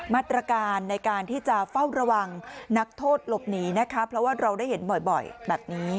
มาตรการในการที่จะเฝ้าระวังนักโทษหลบหนีนะคะเพราะว่าเราได้เห็นบ่อยแบบนี้